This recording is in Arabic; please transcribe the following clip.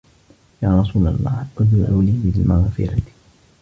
يَا رَسُولَ اللَّهِ أَدْعُ لِي بِالْمَغْفِرَةِ